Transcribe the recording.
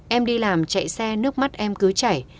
em đi làm chạy xe nước mắt em cứ chảy